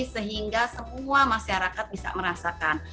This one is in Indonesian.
sehingga semua masyarakat bisa merasakan